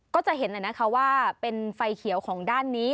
ก็จะเห็นว่าเป็นไฟเขียวของด้านนี้